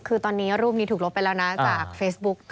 คือตอนนี้รูปนี้ถูกลบไปแล้วนะจากเฟซบุ๊ก